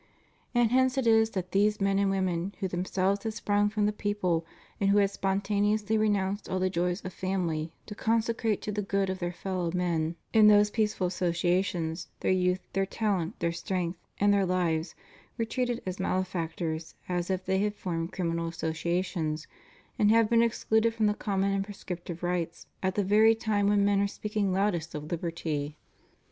And hence it is that these men and women who themselves had sprung from the people and who had spontaneously renounced all the joys of family to consecrate to the good of their fellow men, in those peaceful associations, their youth, their talent, their strength, and their lives, were treated as malefactors as if they had formed criminal associations, and have been excluded from the common and prescriptive rights at the very time when men are speaking loudest of liberty.